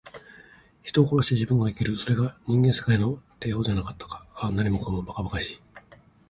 人を殺して自分が生きる。それが人間世界の定法ではなかったか。ああ、何もかも、ばかばかしい。